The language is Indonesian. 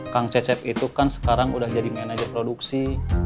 kang cecep itu kan sekarang udah jadi manajer produksi